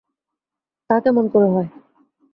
তা কেমন করে হয়?